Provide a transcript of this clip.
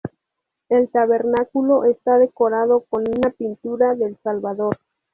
El tabernáculo está decorado con una pintura del Salvador.